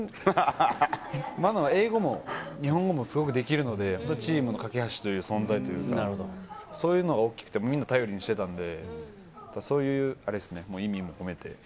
英語も日本語もすごくできるので、チームの架け橋の存在というか、そういうのが大きくて、みんな頼りにしてたんで、そういう意味も込めて。